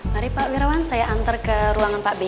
mari pak wirawan saya antar ke ruangan pak b